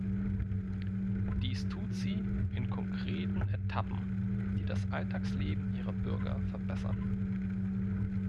Dies tut sie in konkreten Etappen, die das Alltagsleben ihrer Bürger verbessern.